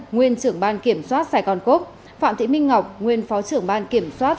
nguyên trưởng ban kiểm soát sài gòn cốc phạm thị minh ngọc nguyên phó trưởng ban kiểm soát